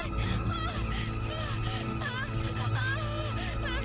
ibu kasih nama sinta ya sayang